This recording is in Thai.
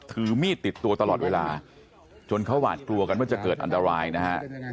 ถือมีดติดตัวตลอดเวลาจนเขาหวาดกลัวกันว่าจะเกิดอันตรายนะฮะ